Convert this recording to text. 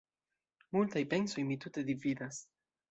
Multajn pensojn mi tute dividas.